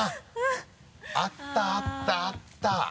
あったあったあった。